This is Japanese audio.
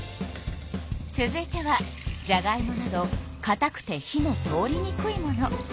続いてはじゃがいもなどかたくて火の通りにくいもの。